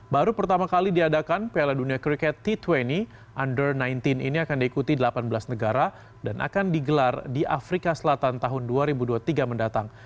baru pertama kali diadakan piala dunia kriket t dua puluh under sembilan belas ini akan diikuti delapan belas negara dan akan digelar di afrika selatan tahun dua ribu dua puluh tiga mendatang